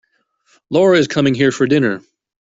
Lara is coming here for dinner.